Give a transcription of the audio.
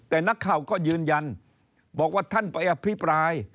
แต่นักข่าวก็ยืนยันบอกว่าท่านไปอภิปราย